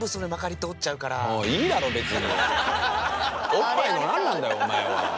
おっぱいのなんなんだよお前は。